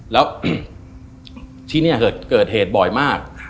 แล้วที่นี่เกิดเหตุบ่อยมาก